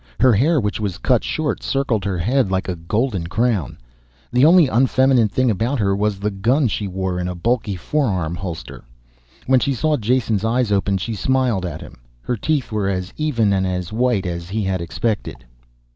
Her hair, which was cut short, circled her head like a golden crown. The only unfeminine thing about her was the gun she wore in a bulky forearm holster. When she saw Jason's eyes open she smiled at him. Her teeth were as even and as white as he had expected.